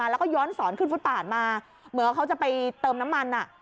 แล้วย้อนสอนสอนขึ้นฟุตปาสมาเมื่อเขาก็จะไปเติมน้ำมัน